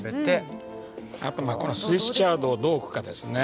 あとまあスイスチャードをどう置くかですね。